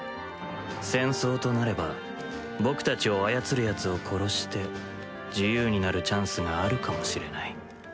戦争となれば僕たちを操るヤツを殺して自由になるチャンスがあるかもしれない